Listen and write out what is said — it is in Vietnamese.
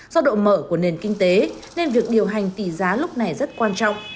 do độ mở của nền kinh tế nên việc điều hành tỷ giá lúc này rất quan trọng